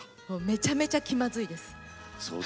めちゃめちゃ気まずいです。